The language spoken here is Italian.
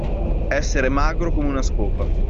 Essere magro come una scopa.